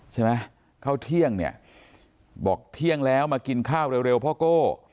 ใช่ไหมเข้าเที่ยงเนี่ยบอกเที่ยงแล้วมากินข้าวเร็วพ่อโก้